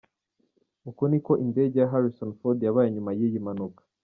Uku niko indege ya Harrison Ford yabaye nyuma y'iyi mpanuka.